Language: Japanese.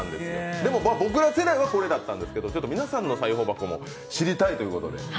でも、僕ら世代はこれだったんですけど、皆さんの裁縫箱も知りたいということで。